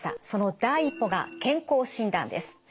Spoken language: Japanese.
その第一歩が健康診断です。